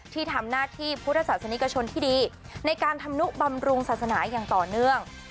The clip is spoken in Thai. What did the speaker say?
ที่ทำหน้าที่พุทธศาสนิกชนที่ดีในการทำนุบำรุงศาสนาอย่างต่อเนื่อง